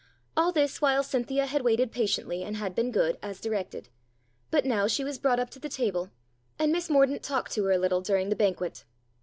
All this while Cynthia had waited patiently, and had been good, as directed ; but now she was brought up to the table, and Miss Mordaunt talked to her a little during the banquet.